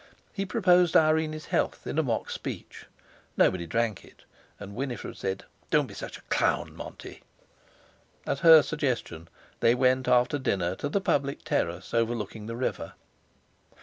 He proposed Irene's health in a mock speech. Nobody drank it, and Winifred said: "Don't be such a clown, Monty!" At her suggestion they went after dinner to the public terrace overlooking the river.